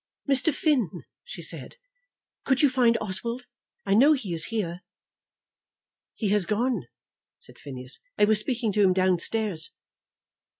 "Mr. Finn," she said, "could you find Oswald? I know he is here." "He has gone," said Phineas. "I was speaking to him downstairs."